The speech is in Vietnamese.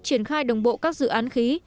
triển khai đồng bộ các dự án khí